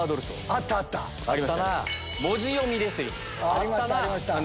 あったな。